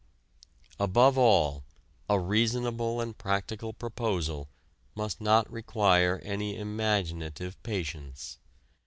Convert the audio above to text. Above all a "reasonable and practical" proposal must not require any imaginative patience.